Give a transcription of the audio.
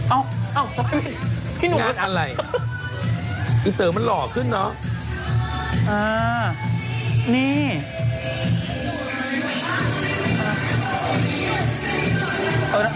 เอาพี่นุกลีตัวเต๋อมันหล่อขึ้นเนอะ